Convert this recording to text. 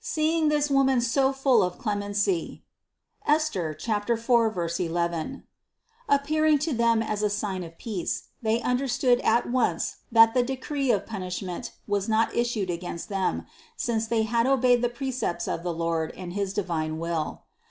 Seeing this Woman so full of clemency (Es ther 4, 11), appearing to them as a sign of peace, they understood at once that the decree of punishment was not issued against them, since they had obeyed the pre cepts of the Lord and his divine will.